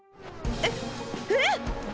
えっええっ！？